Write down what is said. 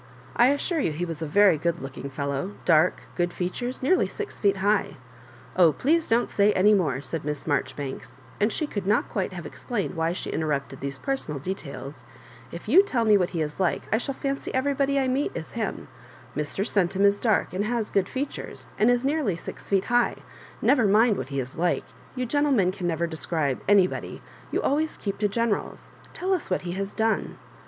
I assure you he was a very good looking fellow — dark, good features, nearly «x feet high—" 0h please don't say any more," said ITiss Maijoribanks, and she could not quite have ex plained why she interrupted these personal de tails; "if you tellme what he is like I shall fancy everybody I meet is him ; Mr. Centum is dark, and has good features, and is nearly six feet high— never mind what he is like— you gentle men can never describe anybody; you always keep to generah ; tell us what he has done."